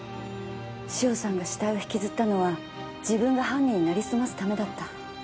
塩さんが死体を引きずったのは自分が犯人になりすますためだった。